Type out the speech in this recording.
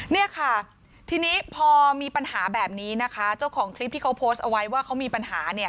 นี่ค่ะทีนี้พอมีปัญหาแบบนี้นะคะเจ้าของคลิปที่เขาโพสต์เอาไว้ว่าเขามีปัญหา